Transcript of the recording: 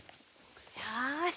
よし。